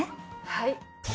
はい。